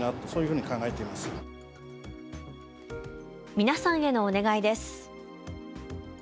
皆さんへのお願いです。